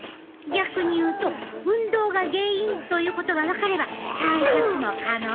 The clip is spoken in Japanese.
逆に言うと運動が原因ということが分かれば対策も可能やな。